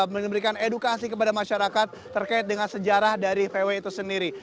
memberikan edukasi kepada masyarakat terkait dengan sejarah dari vw itu sendiri